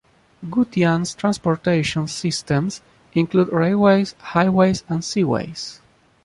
Gutian's transportation systems include railways, highways and seaways.